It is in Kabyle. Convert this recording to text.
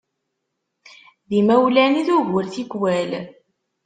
D imawlan i d ugur tikwal.